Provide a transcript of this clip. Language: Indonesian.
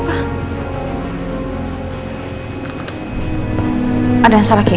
tak ada dengan sa responsible